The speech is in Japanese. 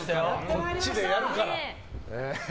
こっちでやるから。